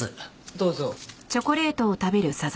どうぞ。